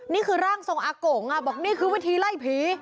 นี่คือร่างทรงอากงบอกนี่คือวิธีไล่ผี